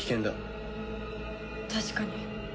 確かに。